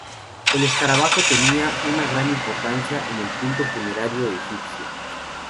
El escarabajo tenía una gran importancia en el culto funerario egipcio.